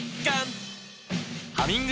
「新ハミング」